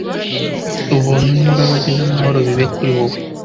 Ubuntu n’imbabazi n’amahoro bibe kuri wowe,